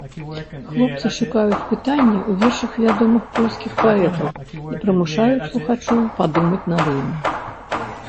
Хлопцы шукаюць пытанні ў вершах вядомых польскіх паэтаў і прымушаюць слухачоў падумаць над імі.